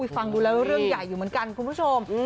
ฟังดูแล้วเรื่องใหญ่อยู่เหมือนกันคุณผู้ชม